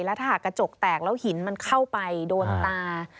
แล้วถ้าหากกระจกแตกแล้วหินมันเข้าไปโดนตา